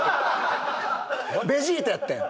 ベジータやったん。